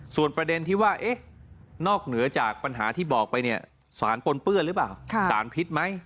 ส่วนประเด็นที่ว่านอกเหนือจากปัญหาที่บอกไปเนี่ยสารปนเปื้อนหรือเปล่าสารพิษไหม